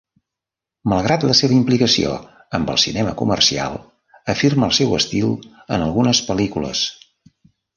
Malgrat la seva implicació amb el cinema comercial, afirma el seu estil en algunes pel·lícules.